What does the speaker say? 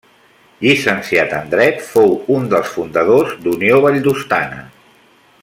Llicenciat en dret, fou un dels fundadors d'Unió Valldostana.